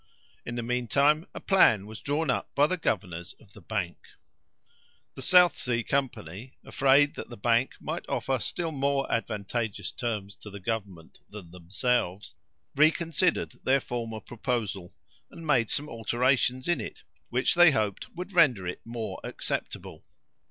In the mean time, a plan was drawn up by the governors of the bank. The South Sea Company, afraid that the bank might offer still more advantageous terms to the government than themselves, reconsidered their former proposal, and made some alterations in it, which they hoped would render it more acceptable.